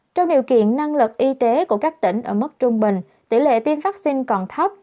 trong điều kiện năng lực y tế của các tỉnh ở mức trung bình tỷ lệ tiêm vaccine còn thấp